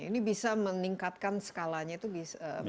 ini bisa meningkatkan skalanya itu menjadi sesuatu yang ekonomis